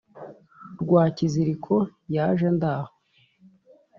Rwakiziriko yaje ndaho